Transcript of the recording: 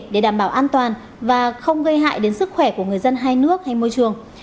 để đảm bảo an toàn và không gây hại đến sức khỏe của người dân hai nước hay môi trường